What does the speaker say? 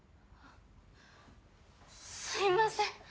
すいません。